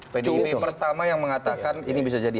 cumi pertama yang mengatakan ini bisa jadi